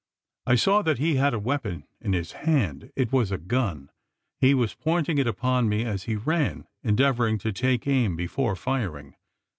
I saw that he had a weapon in his hand. It was a gun. He was pointing it upon me as he ran endeavouring to take aim before firing.